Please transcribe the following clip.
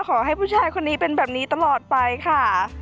ขอให้ผู้ชายคนนี้เป็นแบบนี้ตลอดไปค่ะ